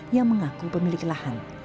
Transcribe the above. yang mengaku pemilik lahan